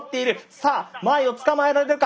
さあ前を捕まえられるか。